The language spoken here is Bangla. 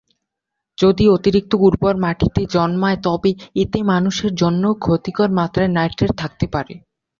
যদি অতিরিক্ত উর্বর মাটিতে জন্মায় তবে এতে মানুষের জন্যও ক্ষতিকর মাত্রার নাইট্রেট থাকতে পারে।